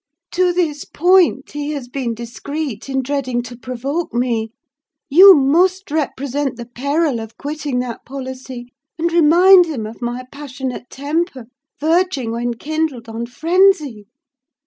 To this point he has been discreet in dreading to provoke me; you must represent the peril of quitting that policy, and remind him of my passionate temper, verging, when kindled, on frenzy.